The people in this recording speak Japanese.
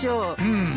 うん。